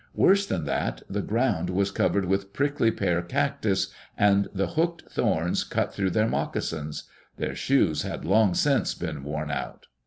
Worse than that, the ground was covered with prickly pear cactus, and the hooked thorns cut through their moccasins. Their shoes had long since been worn out.